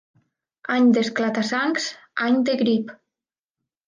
Any d'esclata-sangs, any de grip.